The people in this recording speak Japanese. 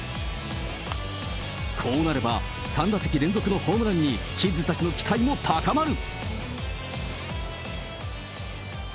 こうなれば、３打席連続のホームランにキッズたちの期待も高まる。